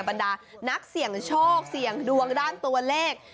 บรรดานักเสี่ยงโชคเสี่ยงดวงด้านตัวเลข